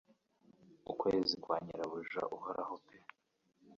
Ukwezi kwa nyirabuja uhoraho pe